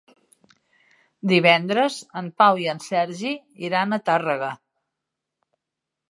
Divendres en Pau i en Sergi iran a Tàrrega.